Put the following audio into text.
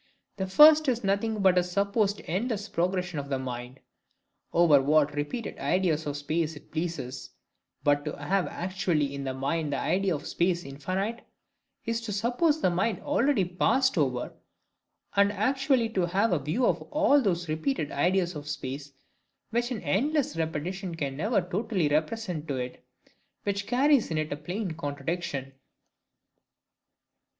The first is nothing but a supposed endless progression of the mind, over what repeated ideas of space it pleases; but to have actually in the mind the idea of a space infinite, is to suppose the mind already passed over, and actually to have a view of ALL those repeated ideas of space which an ENDLESS repetition can never totally represent to it; which carries in it a plain contradiction.